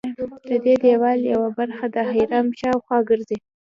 ددې دیوال یوه برخه د حرم شاوخوا ګرځي.